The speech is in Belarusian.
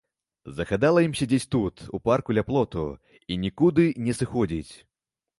Загадала ім сядзець тут, у парку ля плоту, і нікуды не сыходзіць.